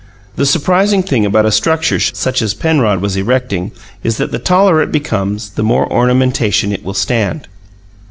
The surprising thing about a structure such as Penrod was erecting is that the taller it becomes the more ornamentation it will stand.